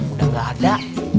udah nggak ada